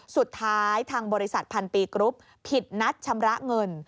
ทางบริษัทพันปีกรุ๊ปผิดนัดชำระเงิน